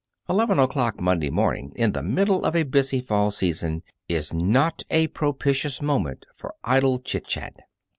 Eleven o'clock Monday morning in the middle of a busy fall season is not a propitious moment for idle chit chat.